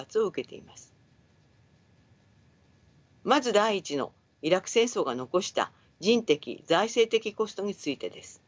まず第１のイラク戦争が残した人的財政的コストについてです。